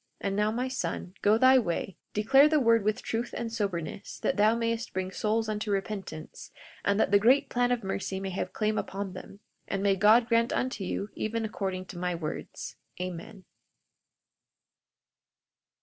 And now, my son, go thy way, declare the word with truth and soberness, that thou mayest bring souls unto repentance, that the great plan of mercy may have claim upon them. And may God grant unto you even according to my words. Amen.